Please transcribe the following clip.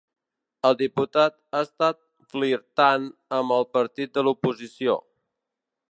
El diputat ha estat flirtant amb el partit de l'oposició.